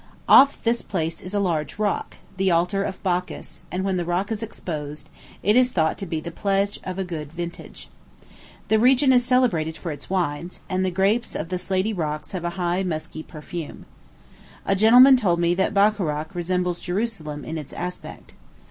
Off this place is a large rock, the Altar of Bacchus; and when the rock is exposed, it is thought to be the pledge of a good vintage. The region is celebrated for its wines; and the grapes of the slaty rocks have a highly musky perfume. A gentleman told me that Bacharach resembles Jerusalem in its aspect.